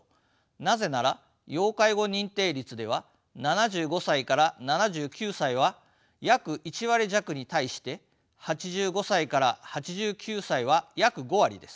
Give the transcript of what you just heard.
なぜなら要介護認定率では７５歳７９歳は約１割弱に対して８５歳８９歳は約５割です。